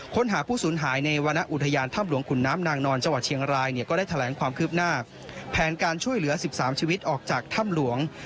ค้นหาผู้สูญหายในวรรณอุทยานถ้ำหลวงขุนน้ำนางนอนจังหวัดเชียงรายเนี่ยก็ได้แถลงความคืบหน้าแผนการช่วยเหลือ๑๓ชีวิตออกจากถ้ำหลวง